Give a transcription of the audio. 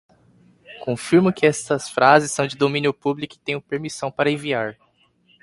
Confirmo que estas frases são de domínio público e tenho permissão para enviar